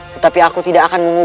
tetapi aku tidak akan memulai